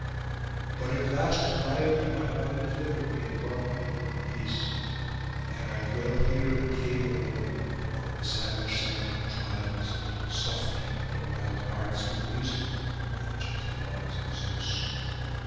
But at last Calliope my mother delivered me, and brought me home in peace; and I dwell here in the cave alone, among the savage Cicon tribes, softening their wild hearts with music and the gentle laws of Zeus.